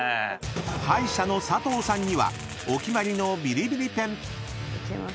［敗者の佐藤さんにはお決まりのビリビリペン］いきます。